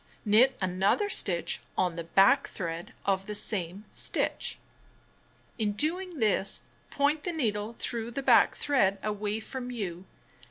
Knit another stitch on the back thread of the same stitch. In doing this, point the needle 1 ju^°" L 1 through the back thread away from you.